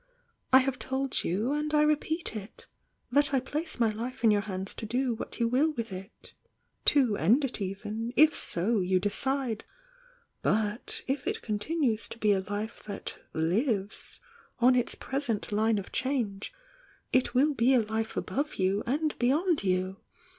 I have told you, and I repeat it— that I place my life in your hands to do what you will with it— to end it even, if so you decide. But if It continues to be a life that lives, on its present hne of change, it will be a life above you and beyond you!